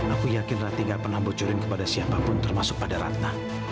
aku yakin ratna gak pernah bocorin kepada siapapun termasuk pada ratna